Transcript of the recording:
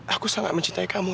aku sangat mencintai kamu